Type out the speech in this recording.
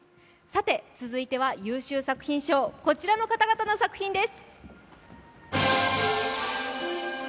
続いては優秀作品賞、こちらの方々の作品です。